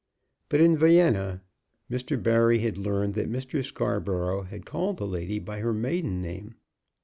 But in Vienna Mr. Barry had learned that Mr. Scarborough had called the lady by her maiden name.